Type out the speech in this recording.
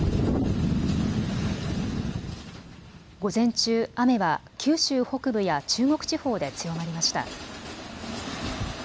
午前中、雨は九州北部や中国地方で強まりました。